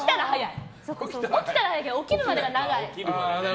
起きたら早いけど起きるまでが長い。